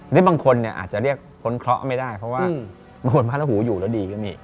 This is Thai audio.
หรือบางคนอาจจะเรียกพ้นเคราะห์ไม่ได้เพราะว่าบางคนพระราหูอยู่แล้วดีก็มี